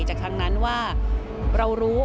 จากครั้งนั้นว่าเรารู้